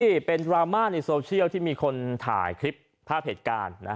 นี่เป็นดราม่าในโซเชียลที่มีคนถ่ายคลิปภาพเหตุการณ์